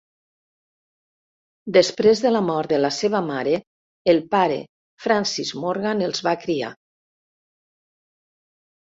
Després de la mort de la seva mare, el pare Francis Morgan els va criar.